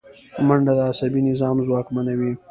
منډه د عصبي نظام ځواکمنوي